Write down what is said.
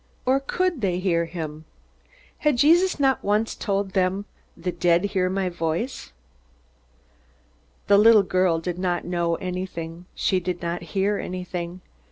Or could they hear him? Had Jesus not once told them, "The dead hear my voice"? The little girl did not know anything. She did not hear anything.